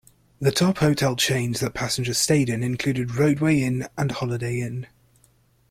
The top hotel chains that passengers stayed in included Rodeway Inn and Holiday Inn.